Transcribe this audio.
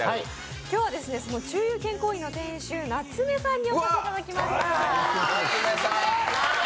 今日は宙遊健康院の店主、夏目さんにお越しいただきました。